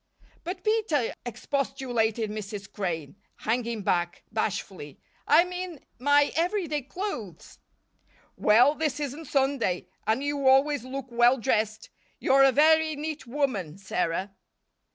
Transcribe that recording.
"But, Peter," expostulated Mrs. Crane, hanging back, bashfully, "I'm in my every day clothes." "Well, this isn't Sunday; and you always look well dressed. You're a very neat woman, Sarah."